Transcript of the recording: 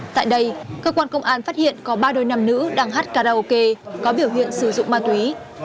tại đây cơ quan công an phát hiện có ba đôi nam nữ đang hát karaoke có biểu hiện sử dụng ma túy